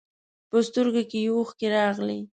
په سترګو کې یې اوښکې راغلې.